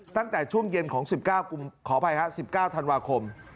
ตั้งแต่ช่วงเย็นของ๑๙ธันวาคม